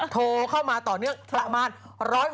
โทรเข้ามาต่อเนื่องประมาณ๑๖๐